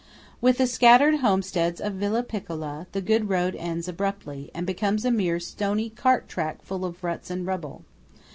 With the scattered homesteads of Villa Piccola the good road ends abruptly, and becomes a mere stony cart track full of ruts and rubble.